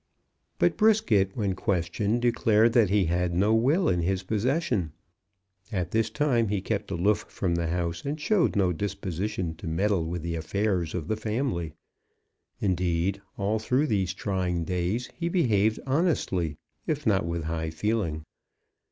But Brisket, when questioned, declared that he had no will in his possession. At this time he kept aloof from the house and showed no disposition to meddle with the affairs of the family. Indeed, all through these trying days he behaved honestly, if not with high feeling.